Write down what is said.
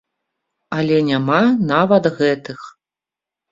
Але няма нават гэтых.